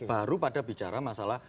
baru pada bicara masalah